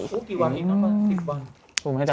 พบกี่วันอีกครับประเทศ๑๐วัน